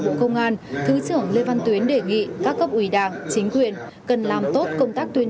bộ công an thứ trưởng lê văn tuyến đề nghị các cấp ủy đảng chính quyền cần làm tốt công tác tuyên